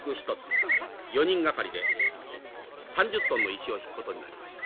４人掛かりで３０トンの石を引くことになりました。